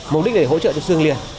mục đích là để hỗ trợ cho xương liền